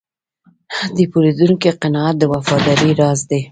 د پیرودونکي قناعت د وفادارۍ راز دی.